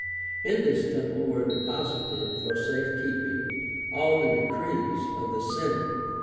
In this temple were deposited, for safe keeping, all the decrees of the Senate.